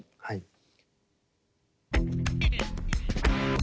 はい。